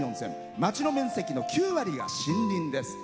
町の面積の９割が森林です。